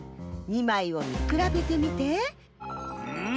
２まいをみくらべてみて。ん